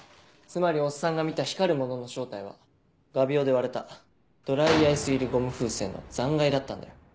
つまりおっさんが見た光る物の正体は画鋲で割れたドライアイス入りゴム風船の残骸だったんだよ。